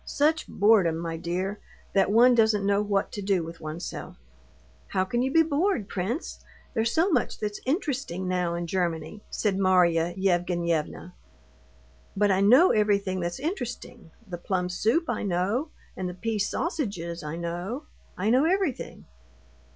Such boredom, my dear, that one doesn't know what to do with oneself." "How can you be bored, prince? There's so much that's interesting now in Germany," said Marya Yevgenyevna. "But I know everything that's interesting: the plum soup I know, and the pea sausages I know. I know everything."